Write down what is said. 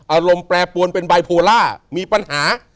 อารมณ์แปรปวนเป็นบายโพล่ามีปัญหา